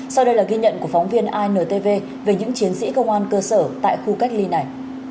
sau đây là ghi nhận của phóng viên intv về những chiến sĩ công an cơ sở tại khu cách ly này